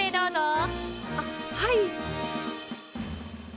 あっはい。